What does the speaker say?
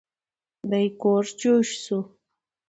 دی کوږ جوش شو.